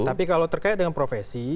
tapi kalau terkait dengan profesi